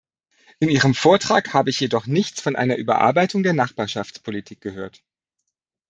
In Ihrem Vortrag habe ich jedoch nichts von einer Überarbeitung der Nachbarschaftspolitik gehört.